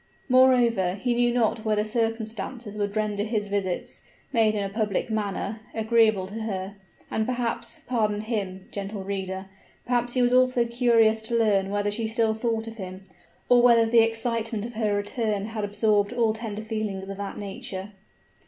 Moreover, he knew not whether circumstances would render his visits, made in a public manner, agreeable to her: and, perhaps pardon him, gentle reader perhaps he was also curious to learn whether she still thought of him, or whether the excitement of her return had absorbed all tender feelings of that nature.